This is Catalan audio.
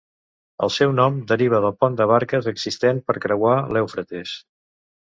El seu nom deriva del pont de barques existent per creuar l'Eufrates.